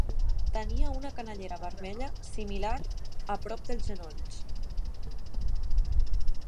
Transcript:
Tenia una canellera vermella similar a prop dels genolls.